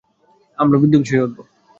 আমরা বিধ্বংসী হয়ে উঠব।